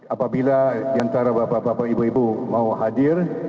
apabila diantara bapak bapak ibu ibu mau hadir